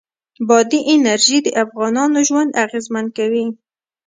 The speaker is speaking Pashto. بادي انرژي د افغانانو ژوند اغېزمن کوي.